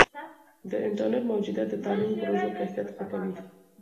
د انټرنیټ موجودیت د تعلیمي پروژو کیفیت ښه کوي.